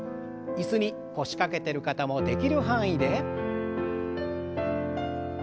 椅子に腰掛けてる方もできる範囲で。